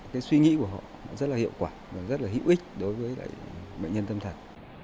cái suy nghĩ của họ rất là hiệu quả rất là hữu ích đối với bệnh nhân tâm thật